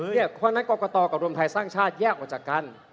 เพราะฉะนั้นกรกตกับรวมไทยสร้างชาติแยกออกจากกัน